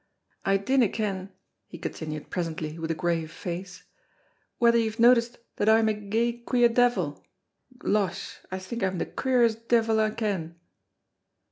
"I dinna ken," he continued presently with a grave face, "whether you've noticed that I'm a gey queer deevil? Losh, I think I'm the queerest deevil I ken."